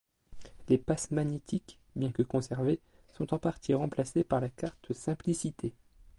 Les pass magnétiques, bien que conservés, sont en partie remplacés par la carte SimpliCités.